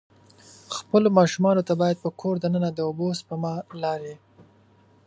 خپلو ماشومان ته باید په کور د ننه د اوبه سپما لارې.